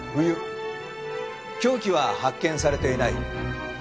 凶器は発見されていない。